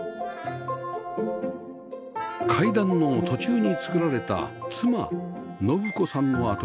階段の途中に造られた妻伸子さんのアトリエ